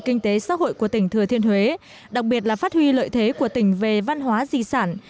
kinh tế xã hội của tỉnh thừa thiên huế đặc biệt là phát huy lợi thế của tỉnh về văn hóa di sản